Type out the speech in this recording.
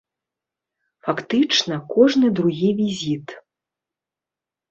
Фактычна, кожны другі візіт.